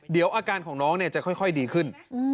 เดี๋ยวอาการของน้องจะค่อยดีขึ้น